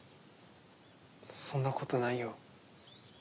そんなことないよ。